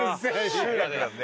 集落なんで。